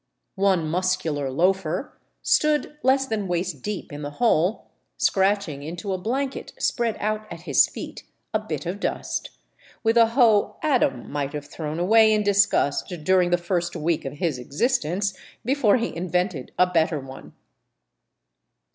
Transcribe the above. One muscular loafer stood ess than waist deep in the hole, scratching into a blanket spread out at lis feet a bit of dust, with a hoe Adam might have thrown away in lisgust during the first week of his existence, before he invented a )etter one.